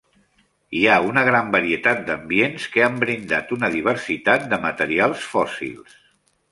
Hi ha una gran varietat d'ambients, que han brindat una diversitat de materials fòssils.